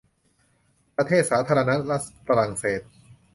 ประเทศสาธารณรัฐฝรั่งเศส